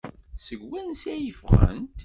Seg wansi ay d-ffɣent?